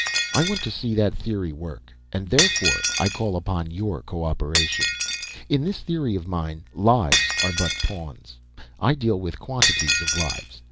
I want to see that theory work, and therefore I call upon your cooperation. In this theory of mine, lives are but pawns; I deal with quantities of lives.